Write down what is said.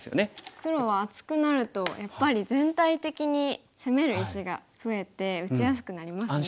黒は厚くなるとやっぱり全体的に攻める石が増えて打ちやすくなりますね。